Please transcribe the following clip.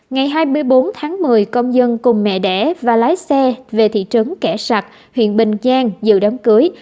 ngày hai mươi bốn tháng một mươi công dân cùng mẹ đẻ và lái xe về thị trấn kẻ sạc huyện bình giang dự đám cưới